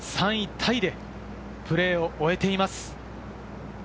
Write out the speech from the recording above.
タイで、プレーを終えています。